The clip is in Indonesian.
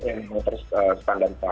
yang menutup standar